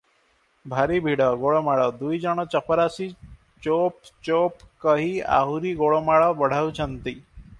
ଭାରି ଭିଡ଼, ଗୋଳମାଳ, ଦୁଇଜଣ ଚପରାଶି ଚୋଓପ ଚୋ-ଓ-ପ କହି ଆହୁରି ଗୋଳମାଳ ବଢ଼ାଉଛନ୍ତି ।